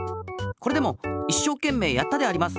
これでもいっしょうけんめいやったであります。